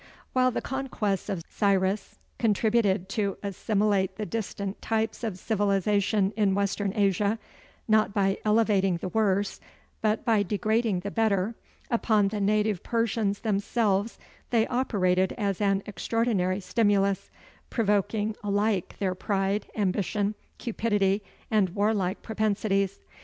While the conquests of Cyrus contributed to assimilate the distinct types of civilization in Western Asia not by elevating the worse, but by degrading the better upon the native Persians themselves they operated as an extraordinary stimulus, provoking alike their pride, ambition, cupidity, and warlike propensities.